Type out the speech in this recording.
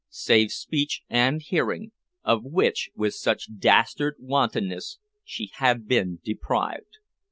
save speech and hearing, of which, with such dastard wantonness, she had been deprived.